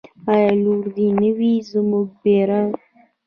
آیا لوړ دې نه وي زموږ بیرغ؟